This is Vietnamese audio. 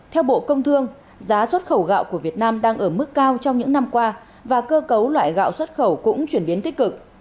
theo bộ công thương giá xuất khẩu gạo của việt nam đang ở mức cao trong những năm qua và cơ cấu loại gạo xuất khẩu cũng chuyển biến tích cực